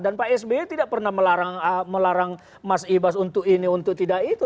dan pak s b tidak pernah melarang mas ibas untuk ini untuk tidak itu